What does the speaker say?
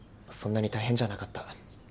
そんなに大変じゃなかった。